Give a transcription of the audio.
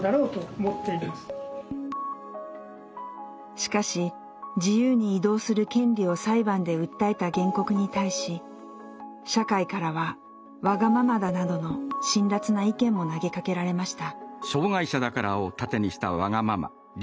しかし自由に移動する権利を裁判で訴えた原告に対し社会からは「わがままだ」などの辛辣な意見も投げかけられました。